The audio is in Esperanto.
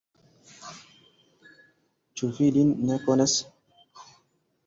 Ĉu vi lin ne konas?